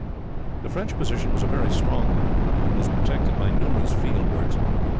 "The French position was a very strong one, and was protected by numerous field works.